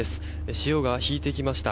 潮が引いてきました。